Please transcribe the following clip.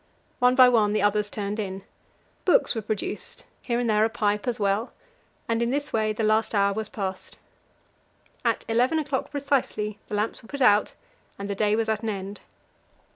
One by one the others turned in; books were produced here and there a pipe as well and in this way the last hour was passed. At eleven o'clock precisely the lamps were put out, and the day was at an end.